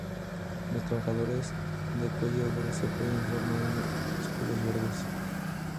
Los trabajadores de cuello verde se pueden formar en escuelas verdes.